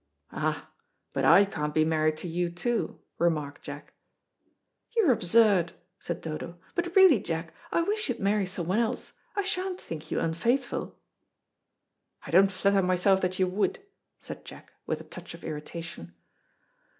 "Ah, but I can't be married to you too," remarked Jack. "You're absurd," said Dodo; "but really, Jack, I wish you'd marry someone else. I sha'n't think you unfaithful." "I don't flatter myself that you would," said Jack, with a touch of irritation.